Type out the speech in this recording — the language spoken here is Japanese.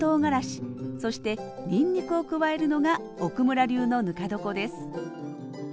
そしてにんにくを加えるのが奥村流のぬか床です